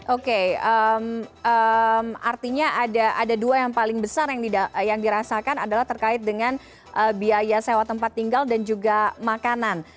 oke artinya ada dua yang paling besar yang dirasakan adalah terkait dengan biaya sewa tempat tinggal dan juga makanan